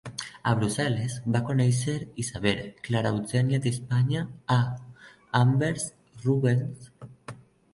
A Brussel·les va conèixer Isabel Clara Eugènia d'Espanya; a Anvers, Rubens.